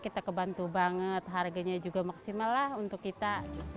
kita kebantu banget harganya juga maksimal lah untuk kita